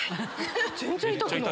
全然痛くない。